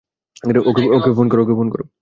ওকে phone করো।